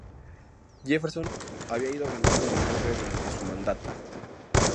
Jefferson había ido ganando renombre durante su mandato.